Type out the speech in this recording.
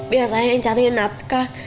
biar saya yang cari napkah